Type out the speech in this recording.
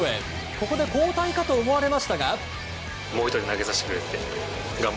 ここで交代かと思われましたが。